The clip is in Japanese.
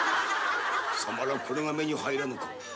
貴様らこれが目に入らぬか？